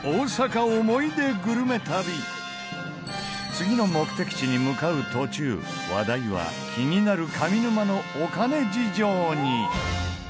次の目的地に向かう途中話題は気になる上沼のお金事情に。